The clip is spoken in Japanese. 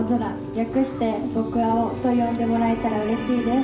略して「僕青」と呼んでもらえたらうれしいです。